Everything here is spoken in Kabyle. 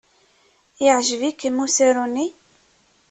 Yeɛjeb-ikem usaru-nni?